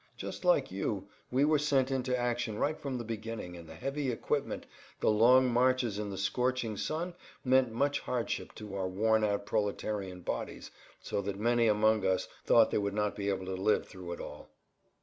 Just like you we were sent into action right from the beginning, and the heavy equipment, the long marches in the scorching sun meant much hardship to our worn out proletarian bodies so that many amongst us thought they would not be able to live through it all.